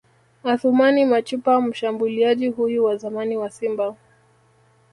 Athumani Machupa Mshambuliaji huyu wa zamani wa Simba